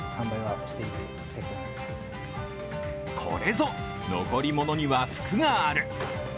これぞ、残りものには福がある！